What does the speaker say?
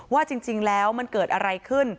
ว่าจริงแล้วมันเกิดอะไรขึ้น